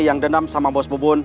yang dendam sama bos bubun